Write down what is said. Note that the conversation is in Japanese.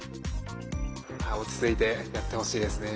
落ち着いてやってほしいですね。